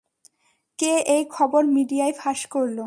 কে এই খবর মিডিয়ায় ফাঁস করলো?